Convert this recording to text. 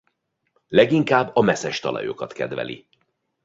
Leginkább a meszes talajokat kedveli.